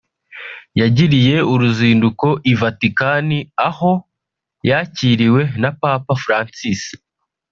yagiriye uruzinduko i Vatican aho yakiriwe na Papa Francis